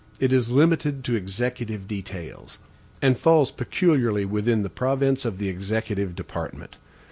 it is limited to executive details, and falls peculiarly within the province of the executive department.